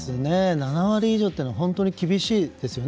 ７割以上っていうのは本当に厳しいですよね。